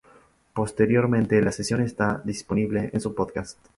Posteriormente, la sesión está disponible en su podcast.